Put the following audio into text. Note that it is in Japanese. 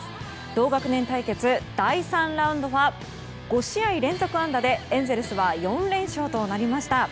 同学年対決、第３ラウンドは５試合連続安打でエンゼルスは４連勝となりました。